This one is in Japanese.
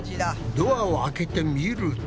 ドアを開けてみると。